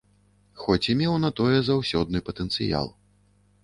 Хоць і меў на тое заўсёдны патэнцыял.